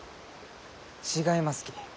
違いますき。